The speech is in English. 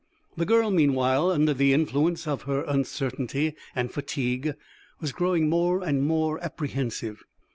The girl, meanwhile, under the influence of her uncertainty and fatigue, was growing more and more apprehensive.